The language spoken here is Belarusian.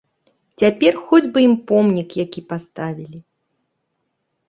Цяпер хоць бы ім помнік які паставілі.